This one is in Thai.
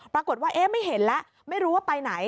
ปรากฏว่าเอ๊ะไม่เห็นแล้วไม่รู้ว่าไปไหน